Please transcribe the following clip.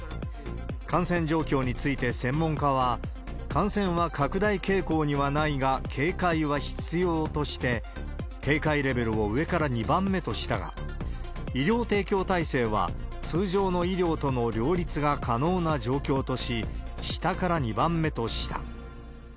感染状況について専門家は、感染は拡大傾向にはないが、警戒は必要として、警戒レベルを上から２番目としたが、医療提供体制は通常の医療との両立が可能な状況とし、下から２番目とした。